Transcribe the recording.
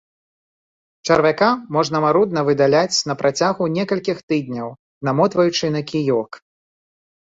Чарвяка можна марудна выдаляць на працягу некалькіх тыдняў, намотваючы на кіёк.